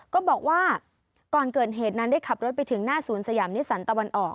ก็บอกว่าก่อนเกิดเหตุนั้นได้ขับรถไปถึงหน้าศูนย์สยามนิสันตะวันออก